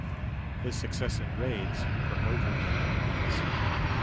His success in raids promoted him in ranks.